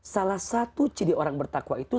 salah satu ciri orang bertakwa itu